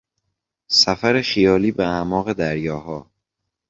سفر خیالی به اعماق دریاها